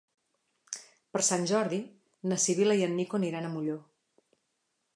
Per Sant Jordi na Sibil·la i en Nico aniran a Molló.